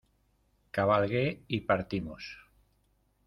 cabalgué y partimos.